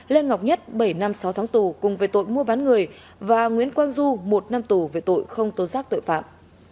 lê ngọc nhất bảy năm sáu tháng tù cùng về tội mua bán người và nguyễn quang du một năm tù về tội không tố giác tội phạm